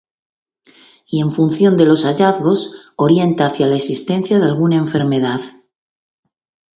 Y en función de los hallazgos, orienta hacia la existencia de alguna enfermedad.